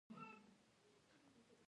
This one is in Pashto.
د افغانستان سوکالي زنده باد.